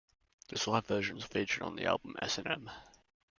This live version is featured on the album "S and M".